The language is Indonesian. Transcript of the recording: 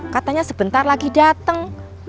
katanya sebentar lagi dateng